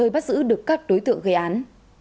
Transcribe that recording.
công an huyện tiên lữ đã giữ được các đối tượng gây án